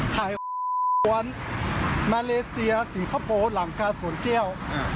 กวนมาเลเซียสิงคโปร์หลังกาสวนแก้ว